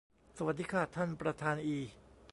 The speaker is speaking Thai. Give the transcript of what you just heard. สวัสดีค่ะ ท่านประธานอี